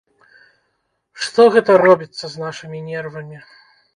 Што гэта робіцца з нашымі нервамі?